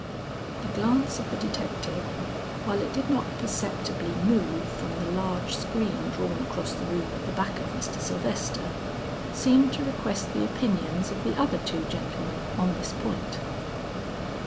The glance of the detective while it did not perceptibly move from the large screen drawn across the room at the back of Mr. Sylvester, seemed to request the opinions of the other two gentlemen on this point.